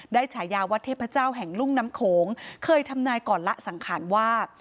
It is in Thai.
ฉายาวัดเทพเจ้าแห่งลุ่มน้ำโขงเคยทำนายก่อนละสังขารว่า